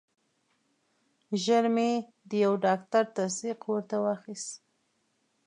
ژر مې د یو ډاکټر تصدیق ورته واخیست.